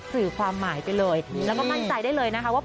สื่อความหมายไปเลยแล้วก็มั่นใจได้เลยนะคะว่า